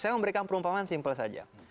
saya memberikan perumpamaan simpel saja